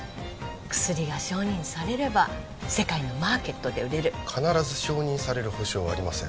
薬が承認されれば世界のマーケットで売れる必ず承認される保証はありません